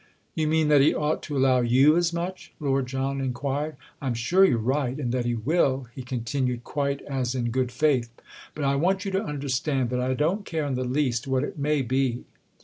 "You mean that he ought to allow you as much?" Lord John inquired. "I'm sure you're right, and that he will," he continued quite as in good faith; "but I want you to understand that I don't care in the least what it may be!"